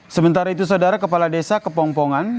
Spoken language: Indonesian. sementara itu saudara kepala desa kepongpongan